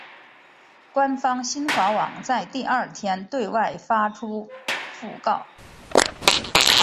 官方新华网在第二天对外发出讣告。